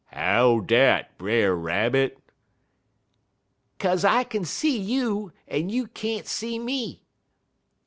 "'How dat, Brer Rabbit?' "''Kaze I kin see you, en you can't see me.'